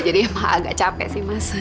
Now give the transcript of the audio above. jadi emang agak capek sih mas